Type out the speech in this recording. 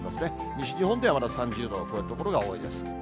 西日本ではまだ３０度を超える所が多いです。